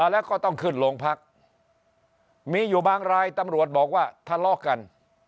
แล้วก็ต้องขึ้นโรงพักมีอยู่บางรายตำรวจบอกว่าทะเลาะกัน